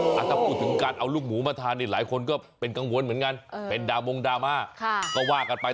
ถ้าพูดถึงการเอาลูกหมูมาทานนี่หลายคนก็เป็นกังวลเหมือนกันเป็นดามงดราม่าก็ว่ากันไป